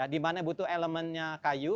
di mana butuh elemennya kayu